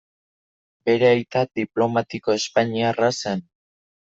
Bere aita diplomatiko espainiarra zen.